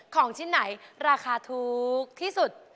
ของชิ้นไหนราคาถูกที่สุด